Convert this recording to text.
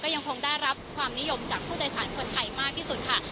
ยังคงได้รับความนิยมจากผู้โดยสารคนไทยมากที่สุดค่ะ